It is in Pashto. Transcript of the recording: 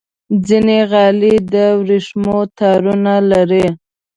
ځینې غالۍ د ورېښمو تارونو لري.